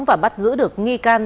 và bắt giữ được nghi can